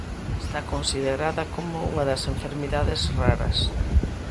Está considerada como unha das "enfermidades raras".